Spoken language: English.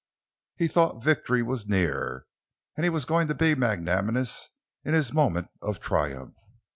He thought victory was near, and he was going to be magnanimous in his moment of triumph.